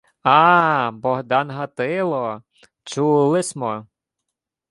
— А-а, Богдан Гатило! Чули смо!..